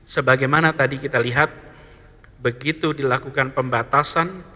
sebagaimana tadi kita lihat begitu dilakukan pembatasan